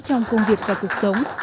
trong công việc của đoàn